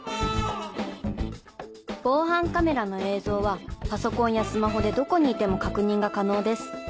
防犯カメラの映像はパソコンやスマホでどこにいても確認が可能です。